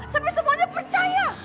sampai semuanya percaya